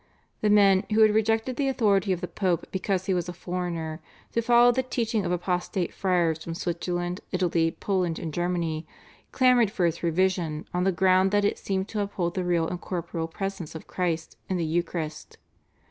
The men, who had rejected the authority of the Pope because he was a foreigner to follow the teaching of apostate friars from Switzerland, Italy, Poland, and Germany, clamoured for its revision on the ground that it seemed to uphold the Real and Corporeal Presence of Christ in the Eucharist.